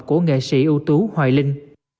của nghệ sĩ ưu tú hoài linh